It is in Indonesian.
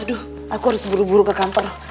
aduh aku harus buru buru ke kantor